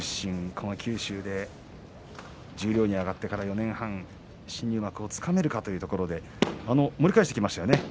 この九州で十両に上がってから４年半新入幕をつかめるかというところで盛り返してきましたね。